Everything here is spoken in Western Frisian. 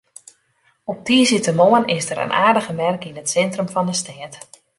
Op tiisdeitemoarn is der in aardige merk yn it sintrum fan de stêd.